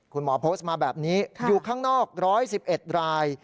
คุณหมอโพสต์มาแบบนี้อยู่ข้างนอก๑๑๑ราย